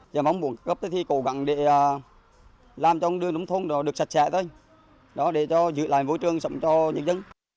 giảm bóng bùn cấp thì cố gắng để làm cho đường đúng thông được sạch sẽ thôi để giữ lại vô trường sống cho những dân